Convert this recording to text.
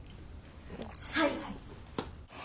はい。